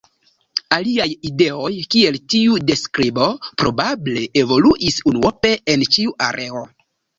Aliaj ideoj kiel tiu de skribo probable evoluis unuope en ĉiu areo.